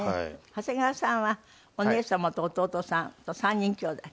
長谷川さんはお姉様と弟さんと３人きょうだい？